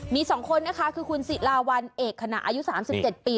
มี๒คนนะคะคือคุณศิลาวันเอกขณะอายุ๓๗ปี